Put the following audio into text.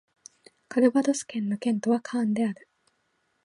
カルヴァドス県の県都はカーンである